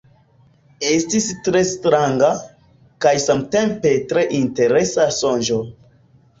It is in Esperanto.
Estis tre stranga, kaj samtempe tre interesa sonĝo.